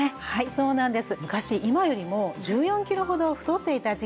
そうなんです。